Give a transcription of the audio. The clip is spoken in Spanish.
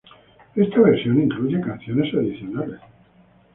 Esta versión incluye canciones adicionales.